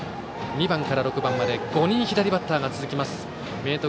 ２番から６番まで５人、左バッターが続く明徳